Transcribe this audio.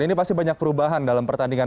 ini pasti banyak perubahan dalam pertandingan